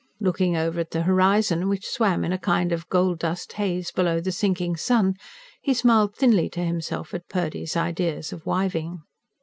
Looking over at the horizon, which swam in a kind of gold dust haze below the sinking sun, he smiled thinly to himself at Purdy's ideas of wiving.